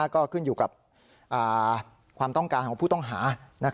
ก็ขึ้นอยู่กับความต้องการของผู้ต้องหา